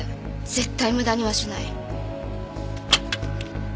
絶対無駄にはしない。